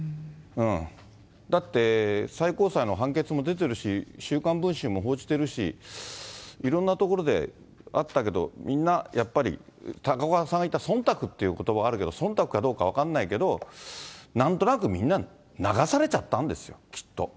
だって、最高裁の判決も出てるし、週刊文春も報じてるし、いろんなところであったけど、みんなやっぱり、高岡さんが言ったそんたくっていうことばあるけど、そんたくかどうか分からないけど、なんとなくみんな流されちゃったんですよ、きっと。